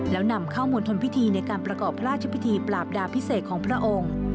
แล้วนำเข้ามณฑลพิธีในการประกอบพระราชพิธีปราบดาพิเศษของพระองค์